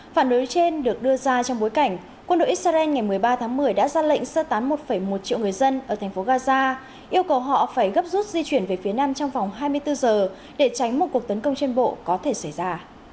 phản đối trên được đưa ra trong bối cảnh quân đội israel ngày một mươi ba tháng một mươi đã ra lệnh sơ tán một một triệu người dân ở thành phố gaza yêu cầu họ phải gấp rút di chuyển về phía nam trong vòng hai mươi bốn giờ để tránh một cuộc tấn công trên bộ có thể xảy ra